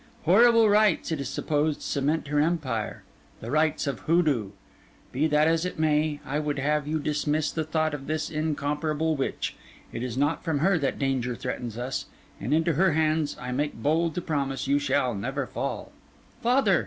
Horrible rites, it is supposed, cement her empire: the rites of Hoodoo. Be that as it may, I would have you dismiss the thought of this incomparable witch; it is not from her that danger threatens us; and into her hands, I make bold to promise, you shall never fall.' 'Father!